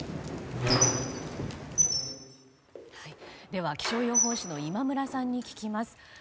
では、気象予報士の今村さんに聞きます。